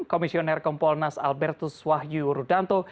komisioner kompolnas albertus wahyu rudanto